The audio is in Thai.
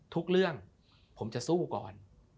ทุกเรื่องผมจะสู้ก่อน